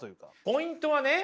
ポイントはね